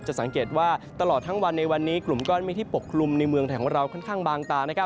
สังเกตว่าตลอดทั้งวันในวันนี้กลุ่มก้อนเมฆที่ปกคลุมในเมืองไทยของเราค่อนข้างบางตา